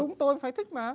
đúng tôi phải thích mà